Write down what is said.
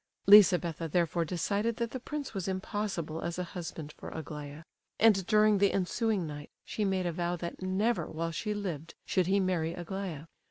Lizabetha therefore decided that the prince was impossible as a husband for Aglaya; and during the ensuing night she made a vow that never while she lived should he marry Aglaya.